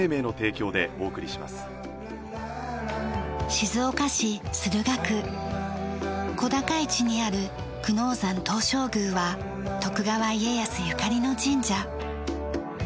静岡市駿河区小高い地にある久能山東照宮は徳川家康ゆかりの神社。